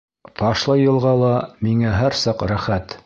Ташлыйылғала миңә һәр саҡ рәхәт.